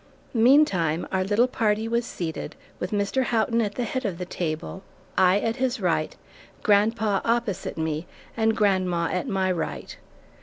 Meantime, our little party was seated, with Mr. Houghton at the head of the table, I at his right; grandpa opposite me, and grandma at my right.